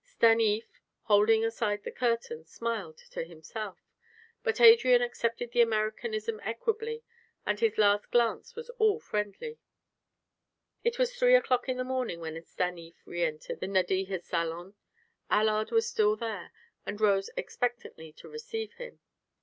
Stanief, holding aside the curtain, smiled to himself; but Adrian accepted the Americanism equably and his last glance was all friendly. It was three o'clock in the morning when Stanief reëntered the Nadeja's salon. Allard was still there, and rose expectantly to receive him.